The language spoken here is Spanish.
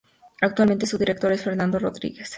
Actualmente su director es Fernando Rodríguez.